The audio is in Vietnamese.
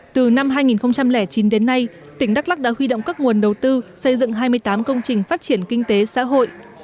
từ năm hai nghìn chín đến nay tỉnh đắk lắc đã huy động các nguồn đầu tư xây dựng hai mươi tám công trình phát triển kinh tế xã hội